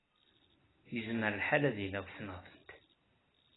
Yezmer lḥal ad iliɣ ssneɣ-tent.